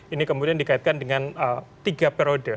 ini kemudian dikaitkan dengan tiga periode